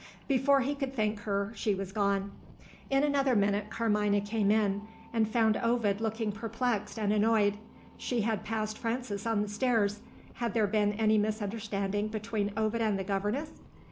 Before he could thank her, she was gone. In another minute Carmina came in, and found Ovid looking perplexed and annoyed. She had passed Frances on the stairs had there been any misunderstanding between Ovid and the governess?